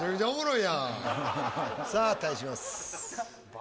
さあ対します